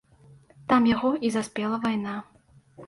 Там яго і заспела вайна.